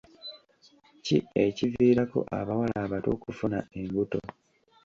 ki ekiviirako abawala abato okufuna embuto?